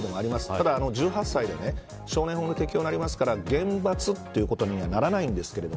ただ１８歳なので少年法の適用になりますから厳罰ということにはならないんですけど